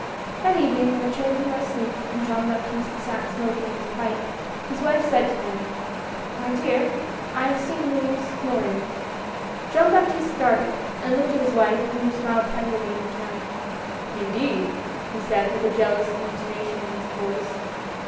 That evening, when the children were asleep and Jean Baptiste sat smoking his pipe, his wife said to him : "My dear, I have seen Louis Morin." Jean Baptiste started, and looked at his wife, who smiled tenderly in return. "Indeed!" he said, with a jealous intonation in his voice.